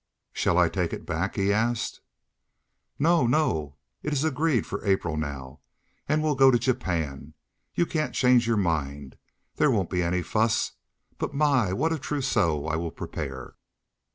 "Shall I take it back?" he asked. "No, no. It's agreed for April now. And we'll go to Japan. You can't change your mind. There won't be any fuss. But my, what a trousseau I will prepare!"